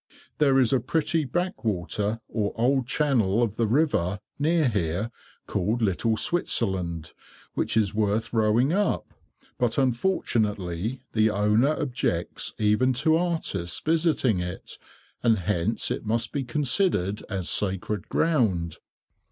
There is a pretty backwater, or old channel of the river, near here, called "Little Switzerland," which is worth rowing up, but unfortunately the owner objects even to artists visiting it, and hence it must be considered as sacred ground.